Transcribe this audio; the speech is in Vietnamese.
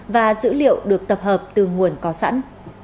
và dữ liệu được tập hợp từ nguồn